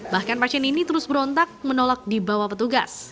bahkan pasien ini terus berontak menolak dibawa petugas